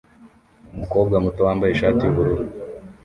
Umukobwa muto wambaye ishati yubururu